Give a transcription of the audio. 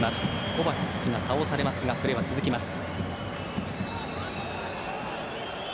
コヴァチッチが倒されますがプレーは続きます。